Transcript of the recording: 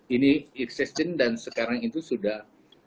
ini existing dan sekarang itu sudah